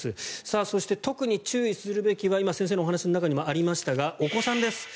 そして特に注意するべきは今、先生のお話にもありましたがお子さんです。